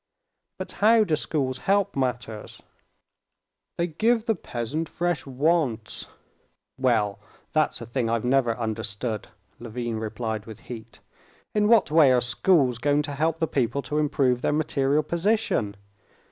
"But how do schools help matters?" "They give the peasant fresh wants." "Well, that's a thing I've never understood," Levin replied with heat. "In what way are schools going to help the people to improve their material position?